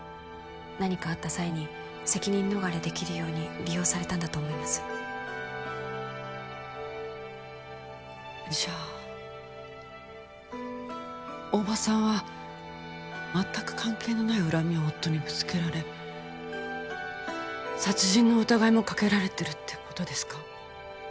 何かあった際に責任逃れできるように利用されたんだと思いますじゃあ大庭さんは全く関係のない恨みを夫にぶつけられ殺人の疑いもかけられてるってことですか？